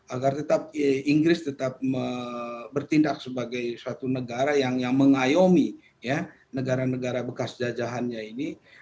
agar tetap inggris tetap bertindak sebagai suatu negara yang mengayomi negara negara bekas jajahannya ini